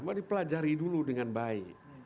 mari pelajari dulu dengan baik